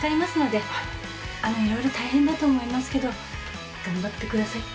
色々大変だと思いますけど頑張ってください。